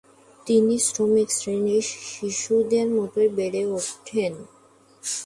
তিনি শ্রমিক শ্রেণীর শিশুদের মতই বেড়ে ওঠেন।